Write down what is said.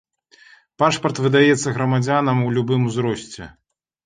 Пашпарт выдаецца грамадзянам у любым узросце.